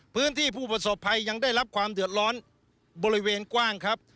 ผู้ประสบภัยยังได้รับความเดือดร้อนบริเวณกว้างครับ